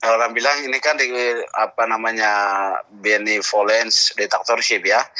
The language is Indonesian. orang bilang ini kan di benevolence dictatorship ya